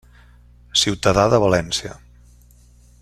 Ciutadà de València.